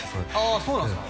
あそうなんすか？